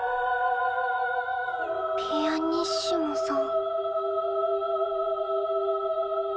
ピアニッシモさん。